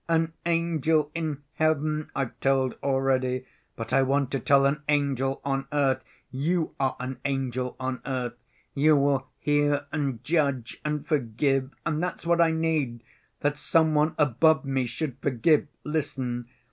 An angel in heaven I've told already; but I want to tell an angel on earth. You are an angel on earth. You will hear and judge and forgive. And that's what I need, that some one above me should forgive. Listen!